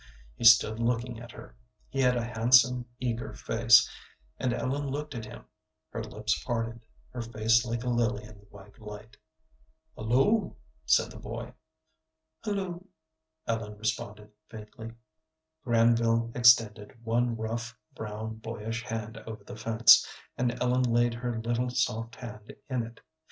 He stood looking at her. He had a handsome, eager face, and Ellen looked at him, her lips parted, her face like a lily in the white light. "Hulloo," said the boy. "Hulloo," Ellen responded, faintly. Granville extended one rough, brown, boyish hand over the fence, and Ellen laid her little, soft hand in it.